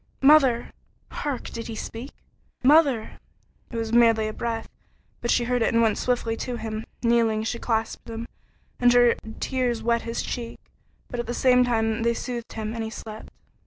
"Mother!" Hark! Did he speak? "Mother!" It was merely a breath, but she heard and went swiftly to him. Kneeling, she clasped him, and her tears wet his cheek, but at the same time they soothed him, and he slept.